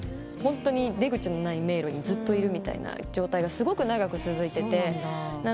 ホントに出口のない迷路にずっといるみたいな状態がすごく長く続いてて。